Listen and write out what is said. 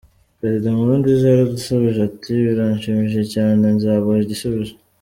Perezida Nkurunziza yaradusubije ati ‘biranshimishije cyane, nzabaha igisubizo’.